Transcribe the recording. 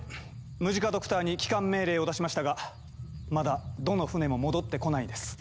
ムジカ・ドクターに帰還命令を出しましたがまだどの船も戻ってこないです。